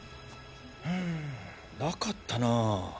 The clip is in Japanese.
んなかったなあ。